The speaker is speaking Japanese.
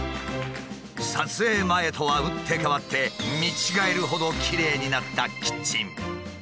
撮影前とは打って変わって見違えるほどきれいになったキッチン。